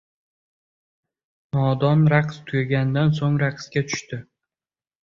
• Nodon raqs tugagandan so‘ng raqsga tushadi.